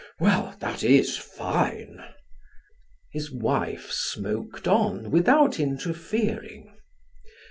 Well, that is fine!" His wife smoked on without interfering.